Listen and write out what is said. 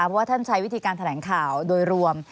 ว่าท่านใช้วิธีการแถลงข่าวโดยรวม